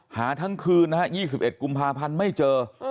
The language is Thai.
หาทั้งคืนนะฮะ๒๑กุมภาพันธ์ไม่เจอ